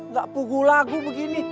gak punggul lagu begini